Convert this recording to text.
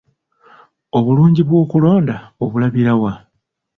Obulungi bw'okulonda obulabira wa?